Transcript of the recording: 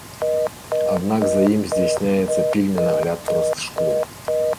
Аднак за ім здзяйсняецца пільны нагляд праз шкло.